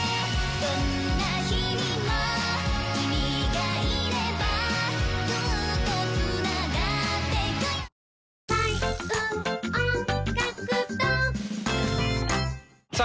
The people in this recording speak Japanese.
どんな日々も君がいればずっと繋がってゆくよさあ